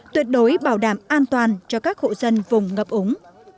tuyệt đối bảo đảm an toàn cho các hộ dân vùng ngập úng